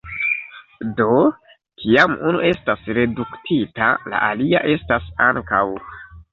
Do, kiam unu estas reduktita, la alia estas ankaŭ.